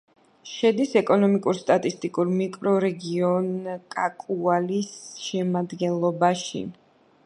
შედის ეკონომიკურ-სტატისტიკურ მიკრორეგიონ კაკუალის შემადგენლობაში.